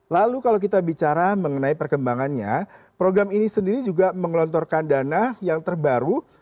lalu kalau kita bicara mengenai perkembangannya program ini sendiri juga mengelontorkan dana yang terbaru